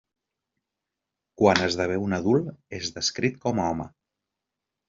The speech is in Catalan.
Quan esdevé un adult, és descrit com a home.